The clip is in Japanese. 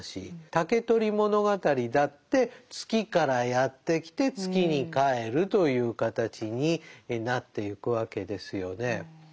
「竹取物語」だって月からやって来て月に帰るという形になってゆくわけですよね。